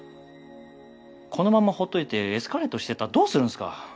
このまんま放っておいてエスカレートしていったらどうするんすか？